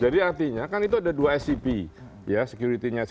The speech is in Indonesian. jadi artinya kan itu ada dua scp ya security nya